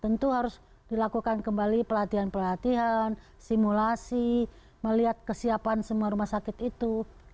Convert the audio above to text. tentu harus dilakukan kembali pelatihan pelatihan simulasi melihat kesiapan semua rumah sakit itu